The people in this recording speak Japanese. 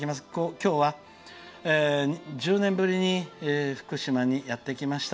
今日は１０年ぶりに福島にやってきました。